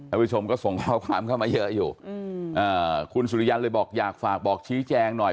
ผู้ชมก็ส่งข้อความเข้ามาเยอะอยู่คุณสุริยันเลยบอกอยากฝากบอกชี้แจงหน่อย